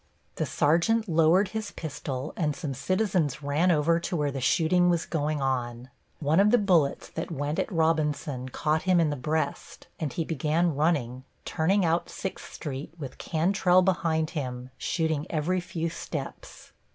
The sergeant lowered his pistol and some citizens ran over to where the shooting was going on. One of the bullets that went at Robinson caught him in the breast and he began running, turning out Sixth Street, with Cantrell behind him, shooting every few steps.